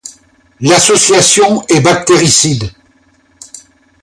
L'association est bactéricide.